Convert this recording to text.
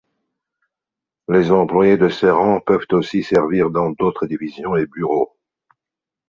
Les employés de ces rangs peuvent aussi servir dans d'autres divisions et bureaux.